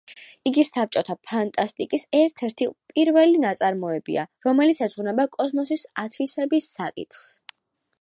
იგი საბჭოთა ფანტასტიკის ერთ-ერთი პირველი ნაწარმოებია, რომელიც ეძღვნება კოსმოსის ათვისების საკითხს.